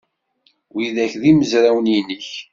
Widak d imezrawen-nnek?